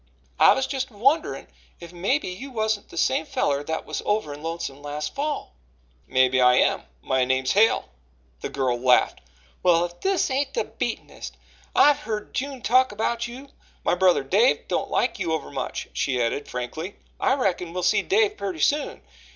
"I was just a wonderin' if mebbe you wasn't the same feller that was over in Lonesome last fall." "Maybe I am my name's Hale." The girl laughed. "Well, if this ain't the beatenest! I've heerd June talk about you. My brother Dave don't like you overmuch," she added frankly. "I reckon we'll see Dave purty soon.